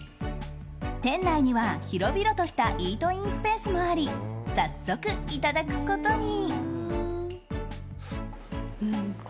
店内には広々としたイートインスペースもあり早速いただくことに。